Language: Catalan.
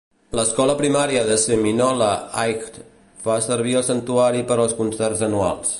L'escola primària de Seminole Heights fa servir el santuari per als concerts anuals.